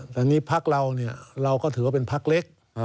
แต่นี่พักเราเราก็ถือว่าเป็นพักเล็ก